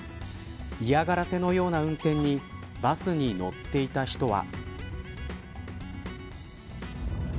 嫌がらせのような運転にバスに乗っていた人は。